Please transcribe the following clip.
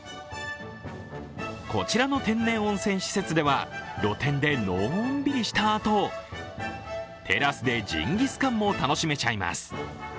こちらの天然温泉施設では露天でのんびりしたあとテラスでジンギスカンも楽しめちゃいます。